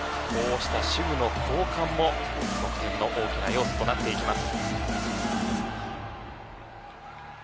手具の交換も得点の大きな要素となっていきます。